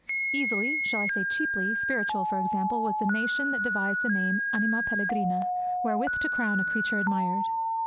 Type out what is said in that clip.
Easily shall I say cheaply? spiritual, for example, was the nation that devised the name anima pellegrina, wherewith to crown a creature admired.